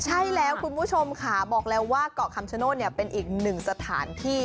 ใช่แล้วคุณผู้ชมค่ะบอกแล้วว่าเกาะคำชโนธเป็นอีกหนึ่งสถานที่